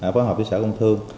phối hợp với sở công thương